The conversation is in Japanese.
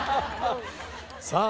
さあ